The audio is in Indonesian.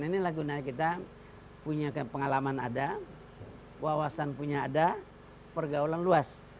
inilah gunanya kita punya pengalaman ada wawasan punya ada pergaulan luas